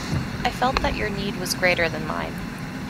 I felt that your need was greater than mine.